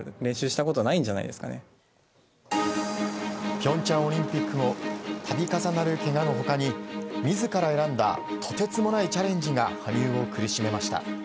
平昌オリンピック後度重なるけがの他に自ら選んだとてつもないチャレンジが羽生を苦しめました。